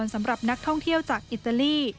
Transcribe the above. สำหรับนักท่องเที่ยวจากอิตาลี